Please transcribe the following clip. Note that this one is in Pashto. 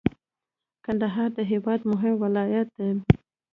کندهار د هیواد مهم ولایت دی.